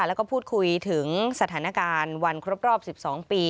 แล้วก็พูดคุยถึงสถานการณ์วันครบรอบ๑๒ปี